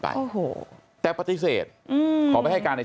จังหวัดสุราชธานี